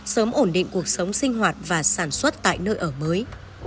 sớm ổn định cuộc sống sinh hoạt và sản xuất tại nơi ở mới